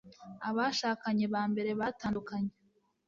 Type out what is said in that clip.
abashakanye ba mbere batandukanye